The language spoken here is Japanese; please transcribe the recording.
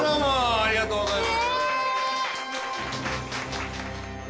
ありがとうございます。